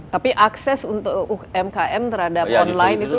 tapi akses untuk umkm terhadap online itu